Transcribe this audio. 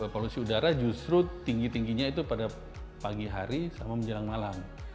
polusi udara justru tinggi tingginya itu pada pagi hari sama menjelang malam